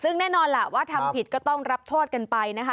ซึ่งแน่นอนล่ะว่าทำผิดก็ต้องรับโทษกันไปนะคะ